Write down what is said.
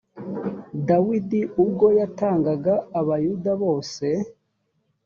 dawidi ubwo yatangaga abayuda bose